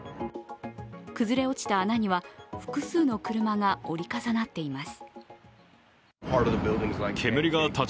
崩れ落ちた穴には複数の車が折り重なっています。